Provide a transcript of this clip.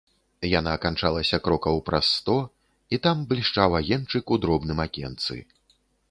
Яна канчалася крокаў праз сто, і там блішчаў агеньчык у дробным акенцы.